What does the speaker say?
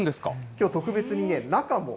きょう、特別にね、中も。